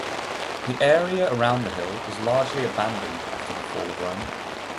The area around the hill was largely abandoned after the fall of Rome.